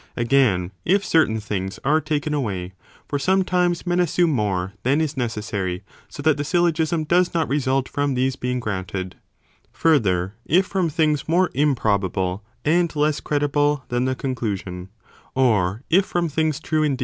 Again, if certain things are taken away, for sometimes men assume more than is ne Cessary, 80 that the syllogism does not result from these be ing (granted); further, if from things more improbable and less credible than the conclusion, or if from things true in 2m 2 532 ARISTOTLE'S ORGANON. [Book vu.